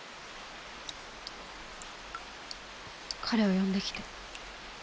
彼を呼んできて。